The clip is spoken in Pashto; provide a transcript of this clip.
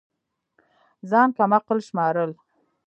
ځان كم عقل شمارل